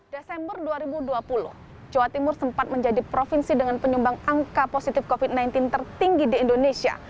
desember dua ribu dua puluh jawa timur sempat menjadi provinsi dengan penyumbang angka positif covid sembilan belas tertinggi di indonesia